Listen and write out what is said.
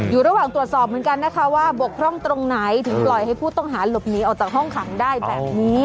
อยู่ระหว่างตรวจสอบเหมือนกันนะคะว่าบกพร่องตรงไหนถึงปล่อยให้ผู้ต้องหาหลบหนีออกจากห้องขังได้แบบนี้